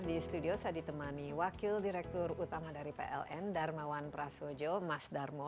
di studio saya ditemani wakil direktur utama dari pln darmawan prasojo mas darmo